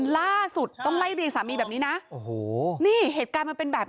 ล่าสุดต้องไล่เรียงสามีแบบนี้นะโอ้โหนี่เหตุการณ์มันเป็นแบบ